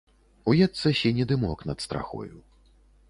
Уецца сіні дымок над страхою.